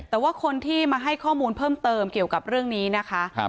แต่ว่าคนที่มาให้ข้อมูลเพิ่มเติมเกี่ยวกับเรื่องนี้นะคะ